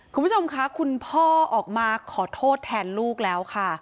คุณผู้ชมค่ะคุณพ่อออกมาขอโทษแทนลูกแล้วค่ะ